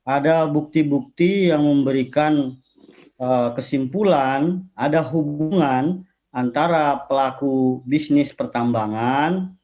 ada bukti bukti yang memberikan kesimpulan ada hubungan antara pelaku bisnis pertambangan